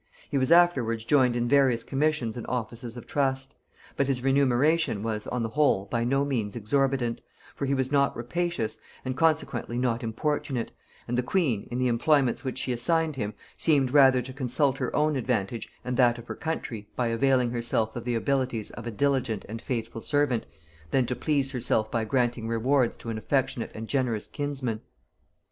He was afterwards joined in various commissions and offices of trust: but his remuneration was, on the whole, by no means exorbitant; for he was not rapacious, and consequently not importunate; and the queen, in the employments which she assigned him, seemed rather to consult her own advantage and that of her country, by availing herself of the abilities of a diligent and faithful servant, than to please herself by granting rewards to an affectionate and generous kinsman.